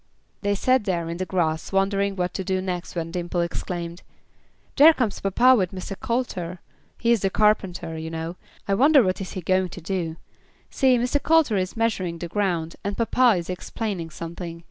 They sat there in the grass wondering what to do next when Dimple exclaimed, "There comes papa with Mr. Coulter, he's the carpenter, you know I wonder what he is going to do. See, Mr. Coulter is measuring the ground, and papa is explaining something.